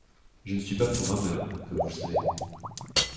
Je ne suis pas programmeur, comme vous le savez.